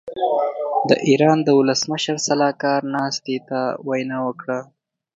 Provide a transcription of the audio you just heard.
د ايران د ولسمشر سلاکار ناستې ته وینا وکړه.